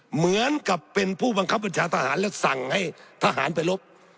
เหมือนกับเป็นผู้บังคับบัญชาทหารและสั่งให้ทหารไปรบ